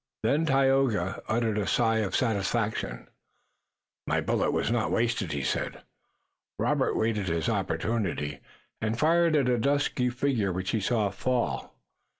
Then Tayoga uttered a sigh of satisfaction. "My bullet was not wasted," he said. Robert waited his opportunity, and fired at a dusky figure which he saw fall.